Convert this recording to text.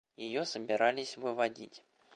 Ее собирались выводить.